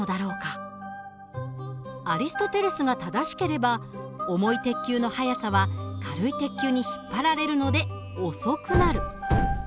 アリストテレスが正しければ重い鉄球の速さは軽い鉄球に引っ張られるので遅くなる。